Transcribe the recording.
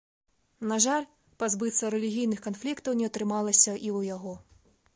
На жаль, пазбыцца рэлігійных канфліктаў не атрымалася і ў яго.